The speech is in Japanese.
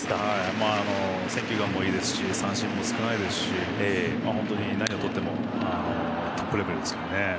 選球眼もいいですし三振も少ないですし何をとってもトップレベルですからね。